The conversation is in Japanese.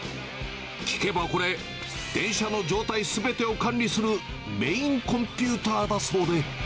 聞けばこれ、電車の状態すべてを管理するメインコンピューターだそうで。